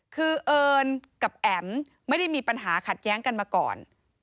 คือเอิญกับแอ๋มไม่ได้มีปัญหาขัดแย้งกันมาก่อน